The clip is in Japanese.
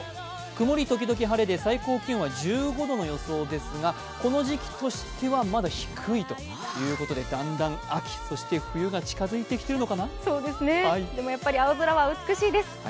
曇り時々晴れで最高気温は１５度の予想ですが、この時期としては、まだ低いということで、だんだん秋、そして冬が近づいてきてるのかな？